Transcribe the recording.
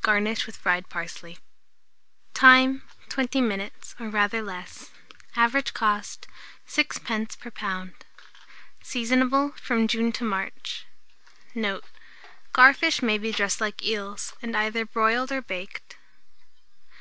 Garnish with fried parsley. Time. 20 minutes, or rather less. Average cost, 6d. per lb. Seasonable from June to March. Note. Garfish may be dressed like eels, and either broiled or baked.